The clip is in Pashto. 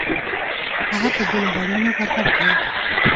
هغه په بېلو رنګونو ککړ کړئ.